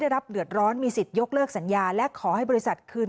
รับเดือดร้อนมีสิทธิ์ยกเลิกสัญญาและขอให้บริษัทคืน